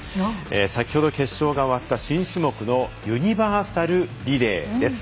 先ほど決勝が終わった新種目のユニバーサルリレーです。